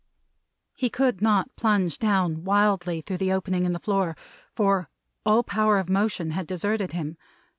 He could not plunge down wildly through the opening in the floor; for, all power of motion had deserted him.